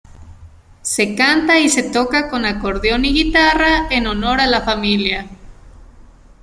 Se canta y se toca con acordeón y guitarra en honor a la familia.